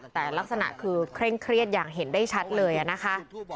แต่ลักษณะคือเคร่งเครียดอย่างเห็นได้ชัดเลยนะคะ